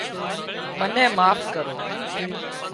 منين معاف ڪرو